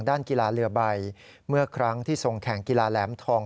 กีฬาเรือใบเมื่อครั้งที่ทรงแข่งกีฬาแหลมทอง